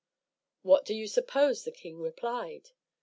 What do you suppose the king replied?